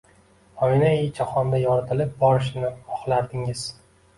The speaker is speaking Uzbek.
Oynayi jahonda yoritilib borilishini xohlardingiz?